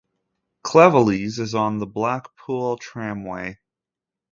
Cleveleys is on the Blackpool Tramway.